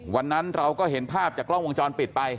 วันนั้นเราก็เห็นภาพจากกล้องวงจรปิดไป